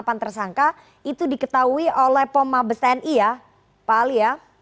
penetapan tersangka itu diketahui oleh pom mabes tni ya pak ali ya